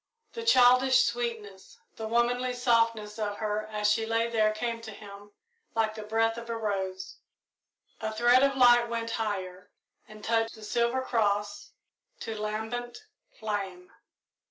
The childish sweetness, the womanly softness of her as she lay there came to him like the breath of a rose. A thread of light went higher and touched the silver cross to lambent flame.